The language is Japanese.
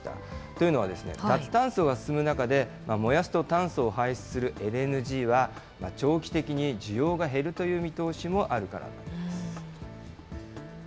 というのは、脱炭素が進む中で、燃やすと炭素を排出するＬＮＧは、長期的に需要が減るという見通しもあるからなんです。